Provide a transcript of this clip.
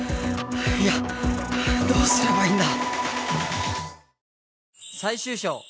いやどうすればいいんだ！？